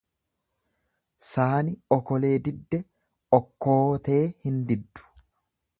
Saani okolee didde okkootee hin diddu.